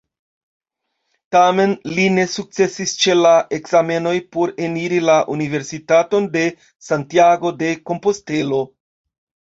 Tamen, li ne sukcesis ĉe la ekzamenoj por eniri la Universitaton de Santiago-de-Kompostelo.